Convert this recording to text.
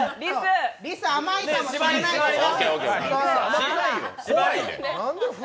リス甘いかもしれないでしょ。